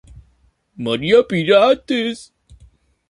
María Pirates.